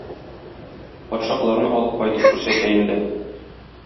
Патша боларны алып кайтып күрсәтә инде.